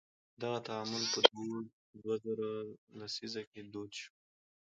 دغه تعامل په دوه زره لسیزه کې دود شو.